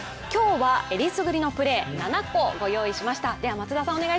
今日はえりすぐりのプレー７個ご用意しました。